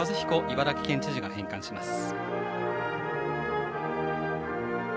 茨城県知事が返還します。